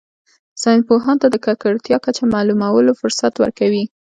ساینس پوهانو ته د ککړتیا کچه معلومولو فرصت ورکوي